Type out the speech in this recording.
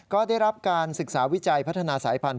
ก็ได้รับการศึกษาวิจัยพัฒนาสายพันธ